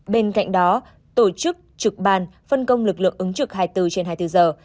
bên cạnh đó tổ chức trực ban phân công lực lượng ứng trực hai mươi bốn trên hai mươi bốn giờ